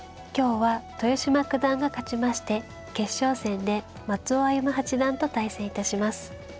今日は豊島九段が勝ちまして決勝戦で松尾歩八段と対戦致します。